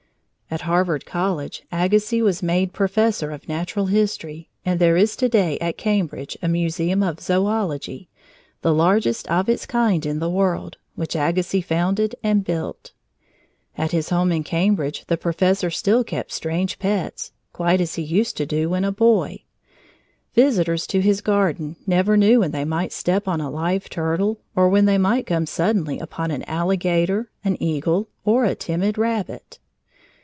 At Harvard College Agassiz was made professor of natural history, and there is to day at Cambridge a museum of zoology, the largest of its kind in the world, which Agassiz founded and built. At his home in Cambridge the professor still kept strange pets, quite as he used to do when a boy. Visitors to his garden never knew when they might step on a live turtle, or when they might come suddenly upon an alligator, an eagle, or a timid rabbit.